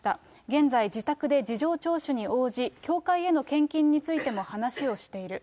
現在自宅で事情聴取に応じ、教会への献金についても話をしている。